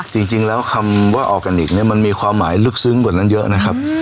จริงแล้วคำว่าออร์แกนิคเนี่ยมันมีความหมายลึกซึ้งกว่านั้นเยอะนะครับ